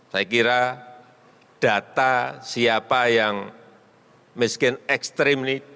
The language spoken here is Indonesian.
saya kira data siapa yang miskin ekstrim ini